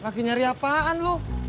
lagi nyari apaan lu